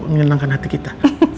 menyenangkan hati kita